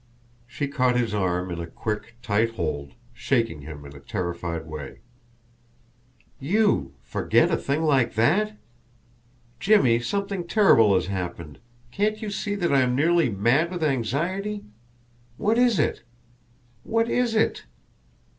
She caught his arm in a quick, tight hold, shaking him in a terrified way. "YOU forget a thing like that! Jimmie something terrible has happened. Can't you see that I am nearly mad with anxiety! What is it? What is it?